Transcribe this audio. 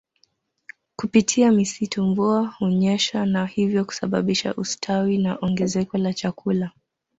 Kupitia misitu mvua hunyesha na hivyo kusababisha ustawi na ongezeko la chakula